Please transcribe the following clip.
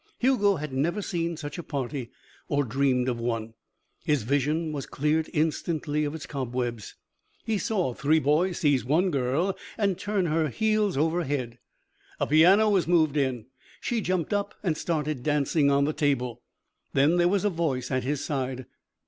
Hugo had never seen such a party or dreamed of one. His vision was cleared instantly of its cobwebs. He saw three boys seize one girl and turn her heels over head. A piano was moved in. She jumped up and started dancing on the table. Then there was a voice at his side.